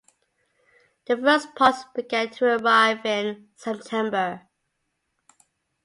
The first parts began to arrive in September.